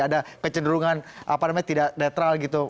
ada kecenderungan apa namanya tidak netral gitu